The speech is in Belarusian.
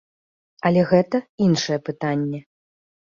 Але гэта іншае пытанне.